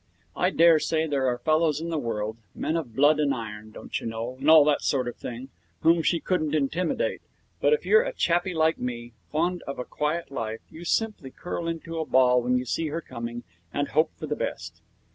I dare say there are fellows in the world men of blood and iron, don't you know, and all that sort of thing whom she couldn't intimidate; but if you're a chappie like me, fond of a quiet life, you simply curl into a ball when you see her coming, and hope for the best.